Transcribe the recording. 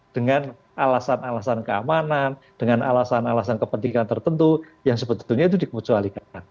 dengan alasan alasan keamanan dengan alasan alasan kepentingan tertentu yang sebetulnya itu dikemucualikan